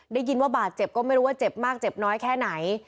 ได้ยินว่าบาดเจ็บก็ไม่รู้ว่าเจ็บมากเจ็บน้อยแค่ไหน